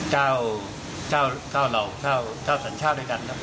เก้าเก้าเหล่าเก้าสัญชาติด้วยกันครับ